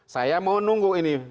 saya mau nunggu ini